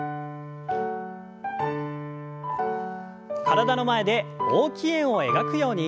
体の前で大きい円を描くように。